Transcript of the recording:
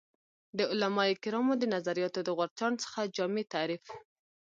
د علمای کرامو د نظریاتو د غورچاڼ څخه جامع تعریف